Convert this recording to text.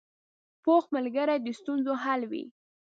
پوخ ملګری د ستونزو حل وي